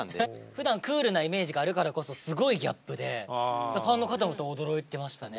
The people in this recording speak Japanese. ふだんクールなイメージがあるからこそすごいギャップでファンの方も驚いてましたね。